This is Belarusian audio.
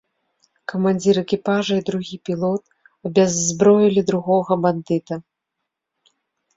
Камандзір экіпажа і другі пілот абяззброілі другога бандыта.